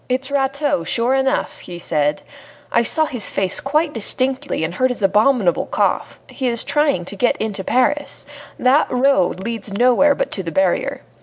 "It is Rateau, sure enough," he said. "I saw his face quite distinctly and heard his abominable cough. He is trying to get into Paris. That road leads nowhere but to the barrier.